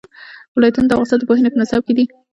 ولایتونه د افغانستان د پوهنې په نصاب کې دي.